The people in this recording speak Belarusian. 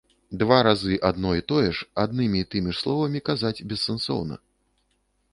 Два разы адно і тое ж аднымі і тымі ж словамі казаць бессэнсоўна.